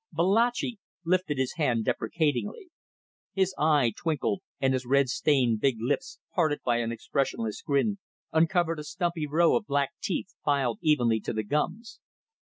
Babalatchi lifted his hand deprecatingly. His eye twinkled, and his red stained big lips, parted by an expressionless grin, uncovered a stumpy row of black teeth filed evenly to the gums.